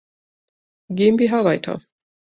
GmbH weiter.